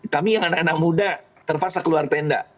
kami yang anak anak muda terpaksa keluar tenda